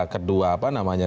kedua apa namanya